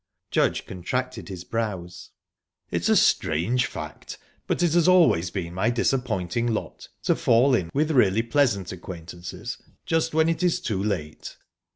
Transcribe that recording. Judge contracted his brows. "It's a strange fact, but it has always been my disappointing lot to fall in with really pleasant acquaintances just when it is too late."